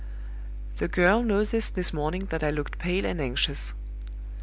"The girl noticed this morning that I looked pale and anxious.